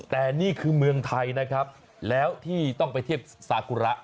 แต่นี่คือเมืองไทยนะครับแล้วที่ต้องไปเทียบซากุระ